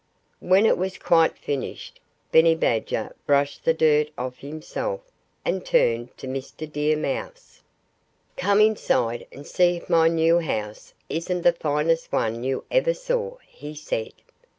When it was quite finished Benny Badger brushed the dirt off himself and turned to Mr. Deer Mouse. "Come inside and see if my new house isn't the finest one you ever saw!" he said.